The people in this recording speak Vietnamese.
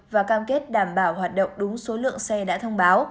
và cam kết đảm bảo hoạt động đúng số lượng xe đã thông báo